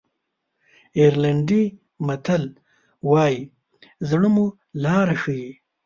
آیرلېنډي متل وایي زړه مو لاره ښیي.